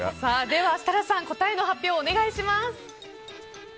では設楽さん答えの発表をお願いします。